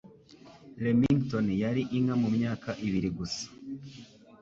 Remington yari inka mumyaka ibiri gusa.